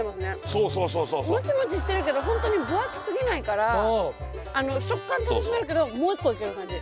そうそうそうそうそうモチモチしてるけどホントに分厚すぎないからあの食感楽しめるけどもう一個いける感じ